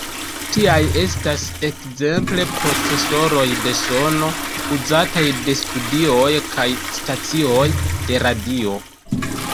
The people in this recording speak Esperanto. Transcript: Tiaj estas ekzemple procesoroj de sono, uzataj je studioj kaj stacioj de radio.